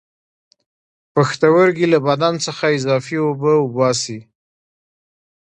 پښتورګي له بدن څخه اضافي اوبه وباسي